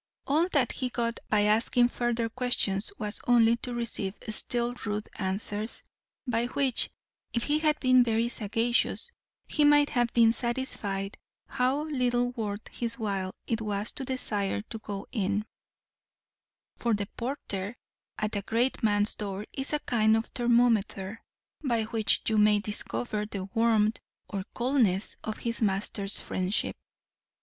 All that he got by asking further questions was only to receive still ruder answers, by which, if he had been very sagacious, he might have been satisfied how little worth his while it was to desire to go in; for the porter at a great man's door is a kind of thermometer, by which you may discover the warmth or coldness of his master's friendship.